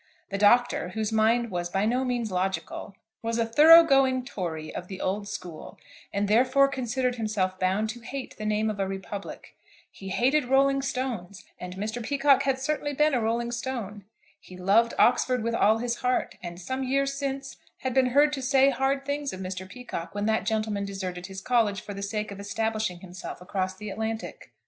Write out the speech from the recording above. The Doctor, whose mind was by no means logical, was a thoroughgoing Tory of the old school, and therefore considered himself bound to hate the name of a republic. He hated rolling stones, and Mr. Peacocke had certainly been a rolling stone. He loved Oxford with all his heart, and some years since had been heard to say hard things of Mr. Peacocke, when that gentleman deserted his college for the sake of establishing himself across the Atlantic.